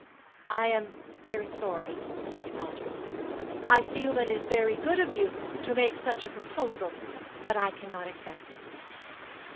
'I am very sorry,' she faltered. 'I feel that it is very good of you to make such a proposal; but I cannot accept it.'